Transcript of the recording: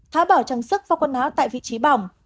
tháo bỏ trang sức và quần áo tại vị trí bỏng